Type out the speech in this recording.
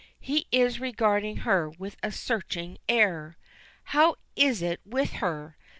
He is regarding her with a searching air. How is it with her?